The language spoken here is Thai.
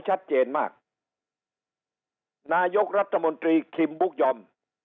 ชัดเจนมากนายกรัฐมนตรีคิมบุ๊กยอม